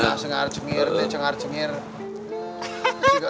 atau di jakarta